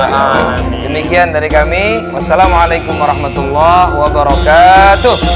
o'gale anaknya limik yang dari kami wassalamualaikum warahmatullah wabarakatuh